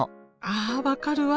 あ分かるわ。